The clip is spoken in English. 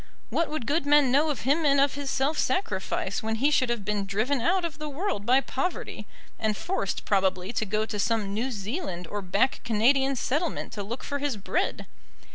What would good men know of him and of his self sacrifice when he should have been driven out of the world by poverty, and forced probably to go to some New Zealand or back Canadian settlement to look for his bread?